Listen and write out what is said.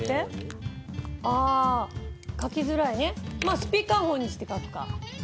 スピーカーホンにして書くか。